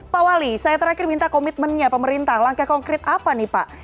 pak wali saya terakhir minta komitmennya pemerintah langkah konkret apa nih pak